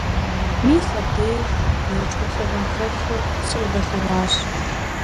Мис абдеж Нарчу лӀыгъэ хэлъу зыкъигъэлъэгъуащ.